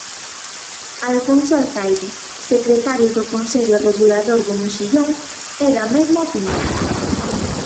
Alfonso Alcaide, secretario do Consello Regulador do Mexillón, é da mesma opinión.